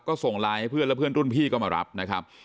ก็ส่งไลน์ให้เพื่อนและเพื่อนรุ่นพี่ก็มารับนะครับ